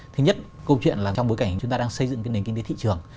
thứ nhất câu chuyện là trong bối cảnh chúng ta đang xây dựng cái nền kinh tế thị trường